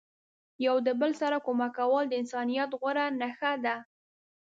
یو د بل سره کومک کول د انسانیت غوره نخښه ده.